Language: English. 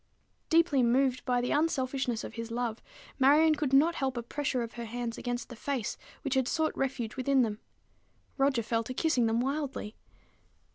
Deeply moved by the unselfishness of his love, Marion could not help a pressure of her hands against the face which had sought refuge within them. Roger fell to kissing them wildly.